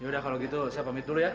ya udah kalau gitu saya pamit dulu ya